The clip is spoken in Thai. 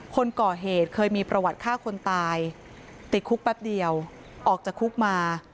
คนก่อเหตุเคยมีประวัติฆ่าคนตายติดคุกแป๊บเดียวออกจากคุกมา